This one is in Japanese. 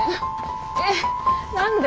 えっ何で！？